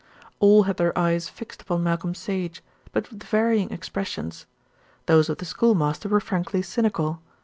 All had their eyes fixed upon Malcolm Sage; but with varying expressions. Those of the schoolmaster were frankly cynical.